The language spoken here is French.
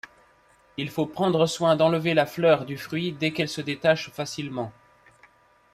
Il faut prendre soin d'enlever la fleur du fruit dès qu'elle se détache facilement.